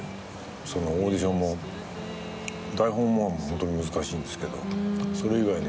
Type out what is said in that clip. そのオーディションも台本はホントに難しいんですけどそれ以外に。